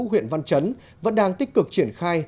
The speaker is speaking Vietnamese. huyện văn chấn vẫn đang tích cực triển khai